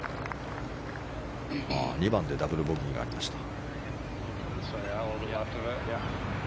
２番でダブルボギーがありました。